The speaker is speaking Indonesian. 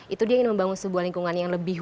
itu dia ingin membangun sebuah lingkungan yang lebih